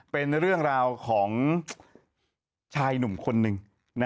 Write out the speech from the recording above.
เป็นเรื่องราวของชายหนุ่มคนหนึ่ง